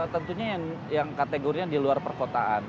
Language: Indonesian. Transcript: tentunya yang kategorinya di luar perkotaan